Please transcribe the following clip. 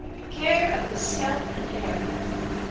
CARE OF THE SCALP AND HAIR.